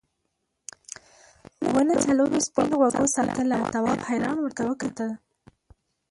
ونه څلورو سپین غوږو ساتله تواب حیران ورته وکتل.